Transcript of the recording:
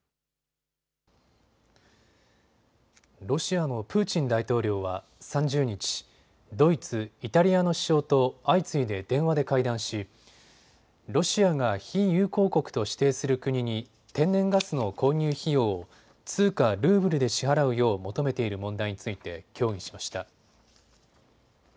ロシアのプーチン大統領は３０日、ドイツ、イタリアの首相と相次いで電話で会談し、ロシアが非友好国と指定する国に天然ガスの購入費用を通貨ルーブルで支払うよう求めている問題について協議しました。